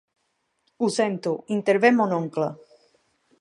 Ho sento, intervé mon oncle.